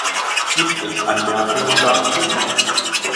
Gibt es Anmerkungen dazu?